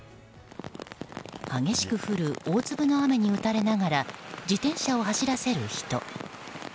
激しく降る大粒の雨に打たれながら自転車を走らせる人。